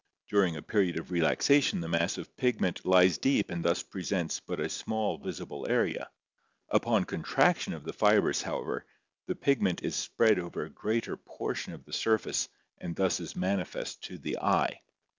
During a period of relaxation the mass of pigment lies deep and thus presents but a small visible area; upon contraction of the fibers, however, the pigment is spread over a greater portion of the surface and thus is manifest to the eye.